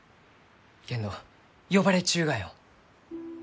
けんど呼ばれちゅうがよ。